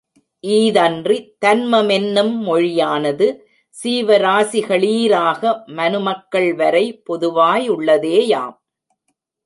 ஈதன்றி தன்மமென்னும் மொழியானது சீவராசிகளீராக மனுமக்கள் வரை பொதுவாயுள்ளதேயாம்.